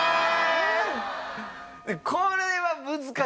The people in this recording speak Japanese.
これは難しいです。